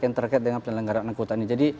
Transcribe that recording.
yang terkait dengan penyelenggaraan angkutan ini jadi